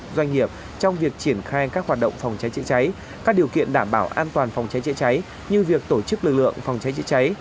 doanh nghiệp trong việc triển khai các hoạt động phòng cháy chữa cháy các điều kiện đảm bảo an toàn phòng cháy chữa cháy như việc tổ chức lực lượng phòng cháy chữa cháy